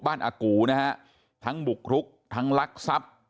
บ้านอากูนะฮะทั้งบุกลุกทั้งลักษณ์ทรัพย์